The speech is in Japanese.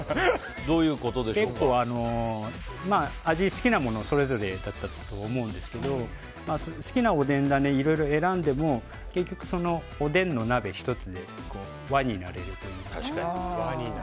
結構、好きなものはそれぞれだったと思うんですけど好きなおでんだねを選んでも結局、そのおでんの鍋１つで輪になれるというか。